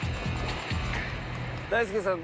大輔さん